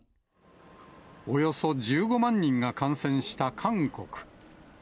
およそ１５万人が感染した韓国。